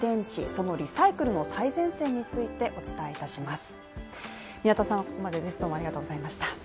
そのリサイクルの最前線についてお伝えいたします。